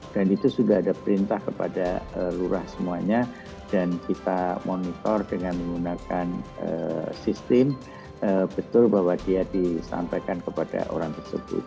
dan itu sudah ada perintah kepada lurah semuanya dan kita monitor dengan menggunakan sistem betul bahwa dia disampaikan kepada orang tersebut